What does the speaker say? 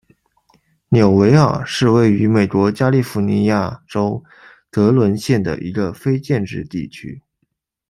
纽维尔是位于美国加利福尼亚州格伦县的一个非建制地区。